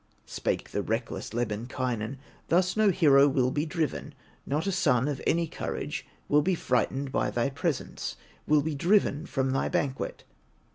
Spake the reckless Lemminkainen: "Thus no hero will be driven, Not a son of any courage Will be frightened by thy presence, Will be driven from thy banquet."